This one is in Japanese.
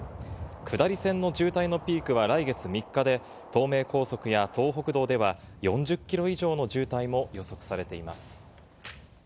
下り線の渋滞のピークは来月３日で、東名高速や東北道では４０キロ以上の渋滞も予測されています。